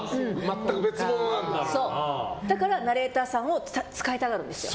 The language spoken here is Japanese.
だからナレーターさんを使いたがるんですよ。